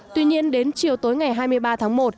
tuy nhiên đến chiều tối ngày hai mươi ba tháng một